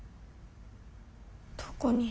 どこに？